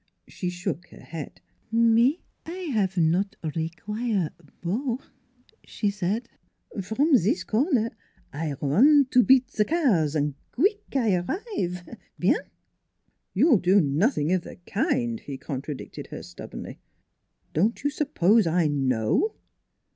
She shook her head. " Me I 'ave not require beau" she said sweetly. " From zis corner I run to beat cars, queek I arrive; bienf "" You'll do nothing of the kind," he contra dicted her stubbornly. " Don't you suppose I know?"